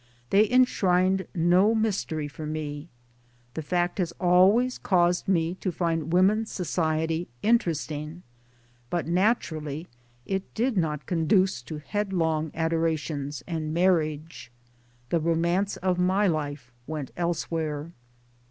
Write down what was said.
They enshrined no mystery for me. This fact has always caused me to find women's society interesting ; but naturally it did not conduce to headlong adorations and marriage 1 The romance of my life went elsewhere.